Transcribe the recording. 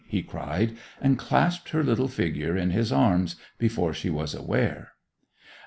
he cried, and clasped her little figure in his arms before she was aware.